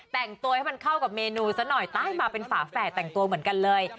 แต่งตัวให้มันเข้ากับเมนูซะหน่อยตายมาเป็นฝาแฝดแต่งตัวเหมือนกันเลย